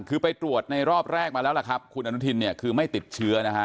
คือไปตรวจในรอบแรกมาแล้วล่ะครับคุณอนุทินเนี่ยคือไม่ติดเชื้อนะฮะ